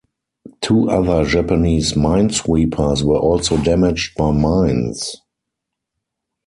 Two other Japanese minesweepers were also damaged by mines.